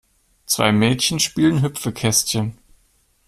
Zwei Mädchen spielen Hüpfekästchen.